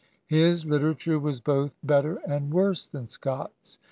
His literature was both better and worse than Scott's.